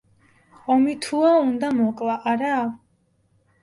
ომი თუა, უნდა მოკლა, არა?